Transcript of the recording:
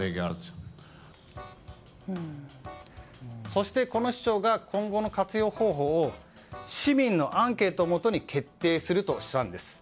そして、この市長が今後の活用方法を市民のアンケートをもとに決定するとしたんです。